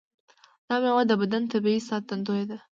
دا میوه د بدن طبیعي ساتندوی ده.